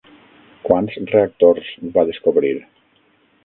Quants reactors va descobrir?